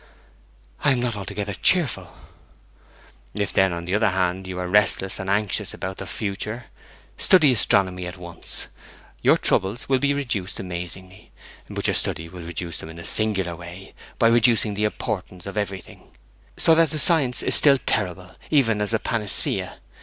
'I am not altogether cheerful.' 'Then if, on the other hand, you are restless and anxious about the future, study astronomy at once. Your troubles will be reduced amazingly. But your study will reduce them in a singular way, by reducing the importance of everything. So that the science is still terrible, even as a panacea.